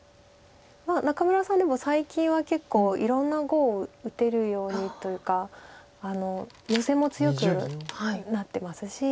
仲邑さんでも最近は結構いろんな碁を打てるようにというかヨセも強くなってますし。